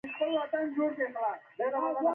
مونږ ته هر سلام لعنت دۍ، چی په سپکه په مونږ لویږی